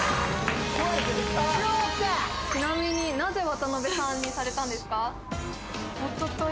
ちなみになぜ渡辺さんにされたんですか？